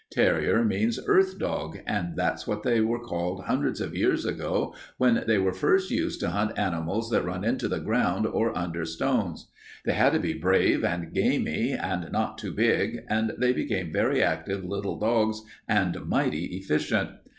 Terrier means earth dog, and that's what they were called hundreds of years ago when they were first used to hunt animals that run into the ground or under stones. They had to be brave and gamey and not too big, and they became very active little dogs and mighty efficient.